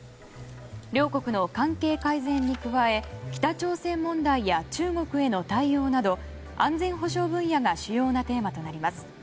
両国の関係改善に加え北朝鮮問題や中国への対応など安全保障分野が主要なテーマとなります。